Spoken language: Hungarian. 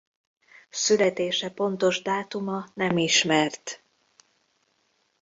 Születése pontos dátuma nem ismert.